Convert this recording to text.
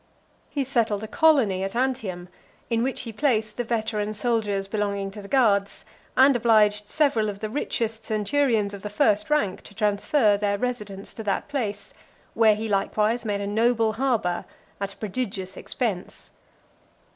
He settled a colony at Antium, in which he placed the veteran soldiers belonging to the guards; and obliged several of the richest centurions of the first rank to transfer their residence to that place; where he likewise made a noble harbour at a prodigious expense.